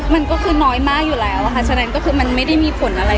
มันก็คือน้อยมากอยู่แล้วฉะนั้นมันไม่รับผลอะไร